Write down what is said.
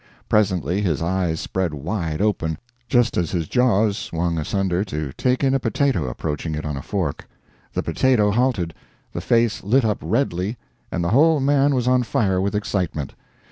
Presently his eyes spread wide open, just as his jaws swung asunder to take in a potato approaching it on a fork; the potato halted, the face lit up redly, and the whole man was on fire with excitement.